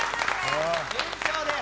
順調です。